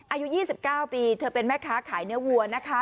อายุ๒๙ปีเธอเป็นแม่ค้าขายเนื้อวัวนะคะ